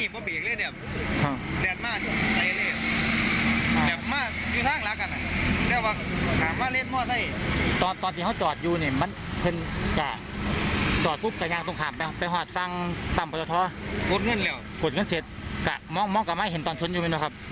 ไปหอดฟังต่ำปราทท้อกดเงินเสร็จมองกับไม่เห็นตอนชนอยู่มั้ยนะครับ